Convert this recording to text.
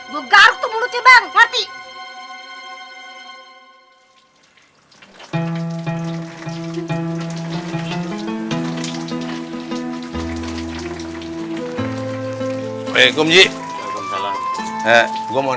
gue garuk tuh mulutnya bang